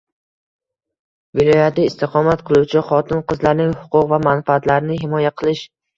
Viloyatda istiqomat qiluvchi xotin-qizlarning huquq va manfaatlarini himoya qilish